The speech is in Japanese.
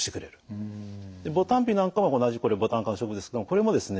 牡丹皮なんかも同じこれボタン科の植物ですけどもこれもですね